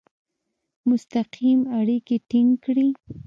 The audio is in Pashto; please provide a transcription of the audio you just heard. مستقیم اړیکي ټینګ کړي.